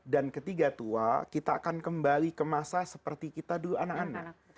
dan ketiga tua kita akan kembali ke masa seperti kita dulu anak anak